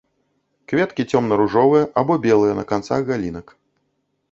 Кветкі цёмна-ружовыя або белыя, на канцах галінак.